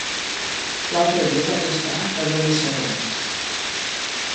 L'altre dia vaig estar a Benissanó.